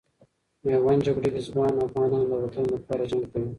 میوند جګړې کې ځوان افغانان د وطن لپاره جنګ کوي.